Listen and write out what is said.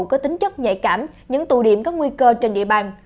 có tính chất nhạy cảm những tụ điểm có nguy cơ trên địa bàn